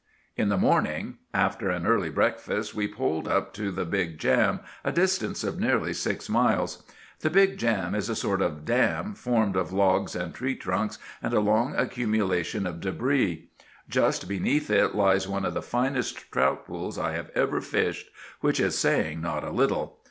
In the morning after an early breakfast we poled up to the Big Jam, a distance of nearly six miles. The Big Jam is a sort of dam, formed of logs and tree trunks and a long accumulation of débris. Just beneath it lies one of the finest trout pools I have ever fished—which is saying not a little.